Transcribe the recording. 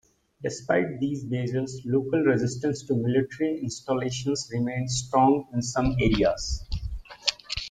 Despite these measures, local resistance to military installations remained strong in some areas.